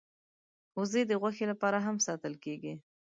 وزې د غوښې لپاره هم ساتل کېږي